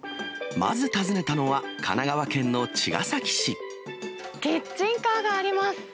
まず訪ねたのは、キッチンカーがあります。